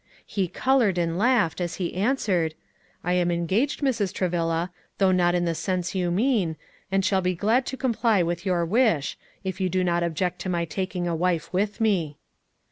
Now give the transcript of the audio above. He colored and laughed, as he answered, "I am engaged, Mrs. Travilla, though not in the sense you mean, and shall be glad to comply with your wish, if you do not object to my taking a wife with me."